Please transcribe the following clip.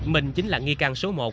mình chính là nghi can số một